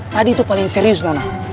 tadi tuh paling serius nona